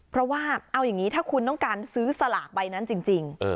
เพราะว่าเอาอย่างนี้ถ้าคุณต้องการซื้อสลากใบนั้นจริง